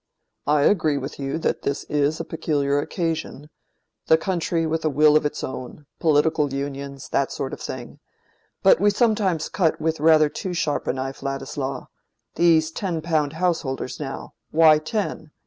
I agree with you that this is a peculiar occasion—the country with a will of its own—political unions—that sort of thing—but we sometimes cut with rather too sharp a knife, Ladislaw. These ten pound householders, now: why ten?